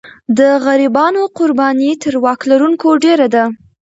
د غریبانو قرباني تر واک لرونکو ډېره ده.